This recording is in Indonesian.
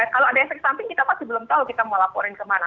kalau ada efek samping kita pasti belum tahu kita mau laporin kemana